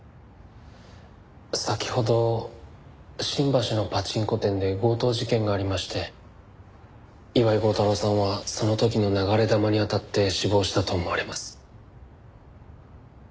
先ほど新橋のパチンコ店で強盗事件がありまして岩井剛太郎さんはその時の流れ弾に当たって死亡したと思われます。